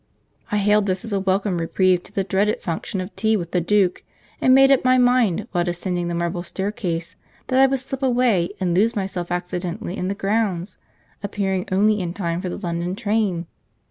I hailed this as a welcome reprieve to the dreaded function of tea with the duke, and made up my mind, while descending the marble staircase, that I would slip away and lose myself accidentally in the grounds, appearing only in time for the London train.